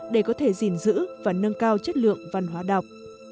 để có thể gìn giữ và nâng cao chất lượng văn hóa đọc